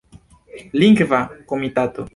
Lingva Komitato.